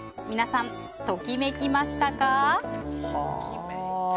皆さん、ときめきましたか？